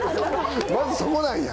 まずそこなんや？